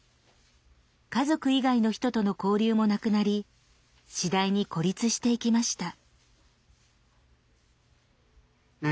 家族以外の人との交流もなくなり次第に孤立していきました。